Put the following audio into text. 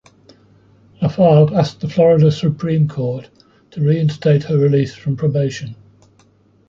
Lafave asked the Florida Supreme Court to reinstate her release from probation.